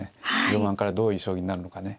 序盤からどういう将棋になるのかね。